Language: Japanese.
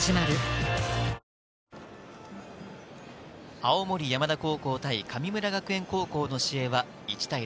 青森山田高校対神村学園高校の試合は１対０。